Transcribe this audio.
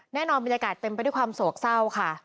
แน่นอนบรรยากาศเต็มไปด้วยความสวกเศร้าค่ะ